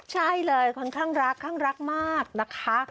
ใช่เลยค่อนข้างรักข้างรักมากนะคะ